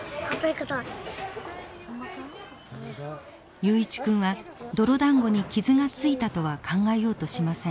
雄一君は泥だんごに傷が付いたとは考えようとしません。